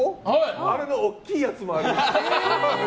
あれの大きいやつもあります。